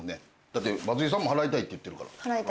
だって松井さんも払いたいって言ってるから。